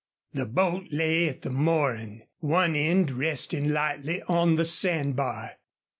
The boat lay at the mooring, one end resting lightly the sand bar.